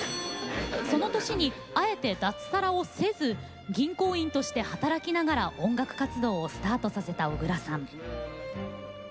その年に、あえて脱サラをせず銀行員として働きながら音楽活動をスタートさせた小椋さん。